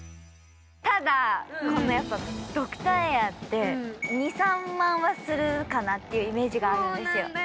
ただ、ドクターエアて２３万はするかなっていうイメージがあるんだよ。